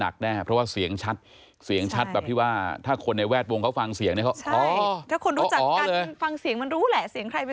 ถ้าคนรู้จักกันฟังเสียงมันรู้แหละเสียงใครเป็นเสียงใครเนี่ย